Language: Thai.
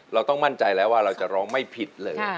เราต้องมั่นใจแล้วว่าเราจะร้องไม่ผิดเลย